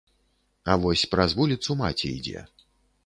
А вось праз вуліцу маці ідзе.